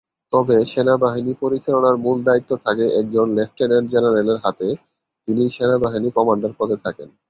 তবে সেনাবাহিনী পরিচালনার মূল দায়িত্ব থাকে একজন লেফটেন্যান্ট-জেনারেলের হাতে যিনি সেনাবাহিনী কমান্ডার পদে থাকেন।